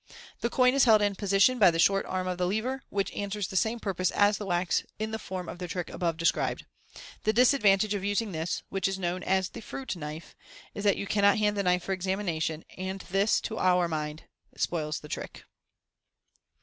The coin is held in posi tion by the short arm of the lever, which answers the same purpose as the wax in the form of the trick above described. The disadvantage of using this, which is known as the " fruit knife," is, that you cannot hand the knife for examination, and this, to our mind, spoils the trick.